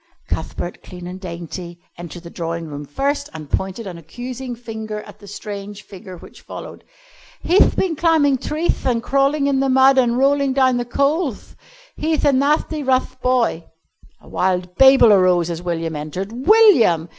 Cuthbert, clean and dainty, entered the drawing room first and pointed an accusing finger at the strange figure which followed. "He'th been climbing treeth an' crawling in the mud, an' rolling down the coalth. He'th a nathty rough boy." A wild babel arose as William entered. "_William!